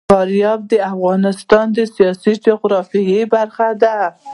فاریاب د افغانستان د سیاسي جغرافیه برخه ده.